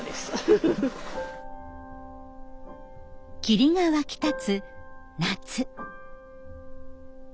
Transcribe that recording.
霧が湧き立つ夏。